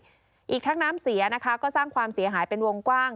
อีกทั้งน้ำเสียนะคะก็สร้างความเสียหายเป็นวงกว้าง